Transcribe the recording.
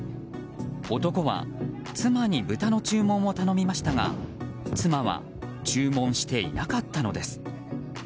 男は妻に豚の注文を頼みましたが妻は注文していなかったのです。